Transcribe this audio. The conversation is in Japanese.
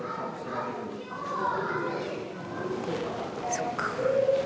そっか。